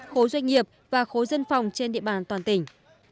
khối doanh nghiệp và khối dân phòng trên địa bàn toàn tỉnh